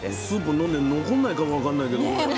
スープ飲んで残んないかもわかんないけど。